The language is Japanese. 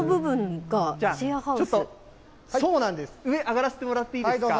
そうなんです、上、上がらせてもらっていいですか？